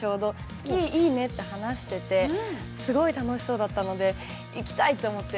スキーいいねって話してて、すごい楽しそうだったので行きたいって思って。